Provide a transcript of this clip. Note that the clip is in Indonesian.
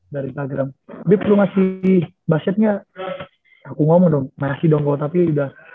dari instagram bip lu masih bassetnya aku ngomong dong masih dong kok tapi udah